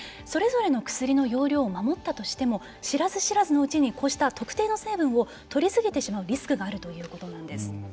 それぞれの薬の用量を守ったとしても知らず知らずのうちにこうした特定の成分を取りすぎてしまうリスクがあるということなんです。